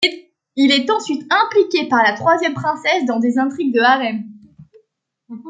Il est ensuite impliqué par la troisième princesse dans des intrigues de harem.